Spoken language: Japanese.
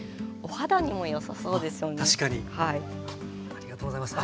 ありがとうございます。